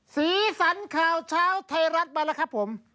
สีสันข่าวเช้าไทยรัฐมาแล้วครับผม